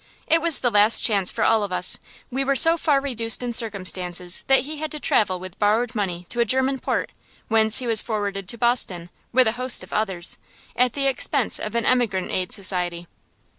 It was the last chance for all of us. We were so far reduced in circumstances that he had to travel with borrowed money to a German port, whence he was forwarded to Boston, with a host of others, at the expense of an emigrant aid society.